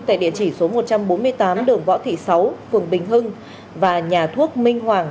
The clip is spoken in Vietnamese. tại địa chỉ số một trăm bốn mươi tám đường võ thị sáu phường bình hưng và nhà thuốc minh hoàng